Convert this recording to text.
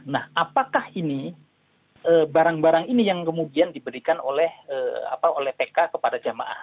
nah apakah ini barang barang ini yang kemudian diberikan oleh tk kepada jamaah